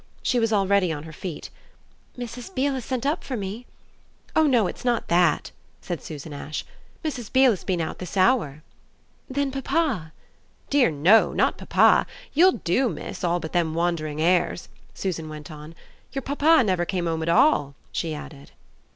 She was already on her feet. "Mrs. Beale has sent up for me?" "Oh no it's not that," said Susan Ash. "Mrs. Beale has been out this hour." "Then papa!" "Dear no not papa. You'll do, miss, all but them wandering 'airs," Susan went on. "Your papa never came 'ome at all," she added.